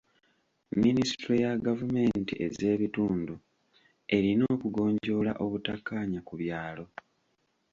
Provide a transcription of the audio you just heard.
Minisitule ya gavumenti ez'ebitundu erina okugonjoola obutakkaanya ku byalo.